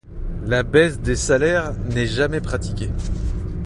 La baisse des salaires n'est jamais pratiquée.